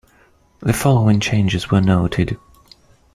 The following changes were noted.